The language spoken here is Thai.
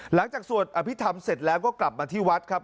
หลังจากสวดอภิกษ์ธรรมเสร็จแล้วก็กลับมาที่วัดครับ